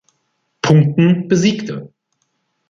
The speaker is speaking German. Punkten besiegte.